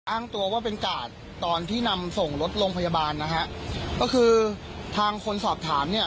อ้างตัวว่าเป็นกาดตอนที่นำส่งรถโรงพยาบาลนะฮะก็คือทางคนสอบถามเนี่ย